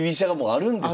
あるんです。